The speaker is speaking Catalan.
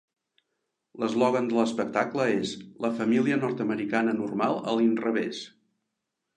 L'eslògan de l'espectacle és "La família nord-americana normal a l'inrevés".